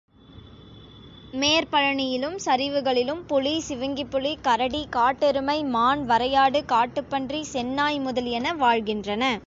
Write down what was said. மேற்பழனியிலும், சரிவுகளிலும் புலி, சிவிங்கிப் புலி, கரடி, காட்டெருமை, மான், வரையாடு, காட்டுப்பன்றி, செந்நாய் முதலியன வாழ்கின்றன.